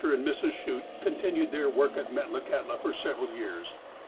and Mrs. Schutt continued their work at Metla kahtla for several years.